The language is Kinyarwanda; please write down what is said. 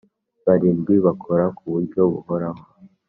barindwi bakora ku buryo buhoraho